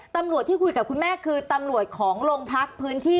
ตำรวจที่คุยกับคุณแม่คือตำรวจของโรงพักพื้นที่